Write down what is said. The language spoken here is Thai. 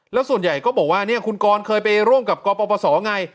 แล้วส่วนใหญ่ก็บอกว่าเนี่ยคุณกรเคยไปร่วมกับกปศไง